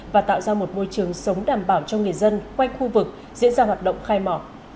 và tạo ra một môi trường sống đảm bảo cho người dân quanh khu vực diễn ra hoạt động khai mỏ